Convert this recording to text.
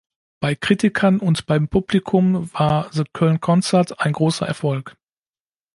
Bei Kritikern und beim Publikum war "The Köln Concert" ein großer Erfolg.